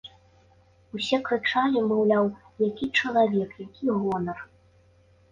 Усе крычалі, маўляў, які чалавек, які гонар.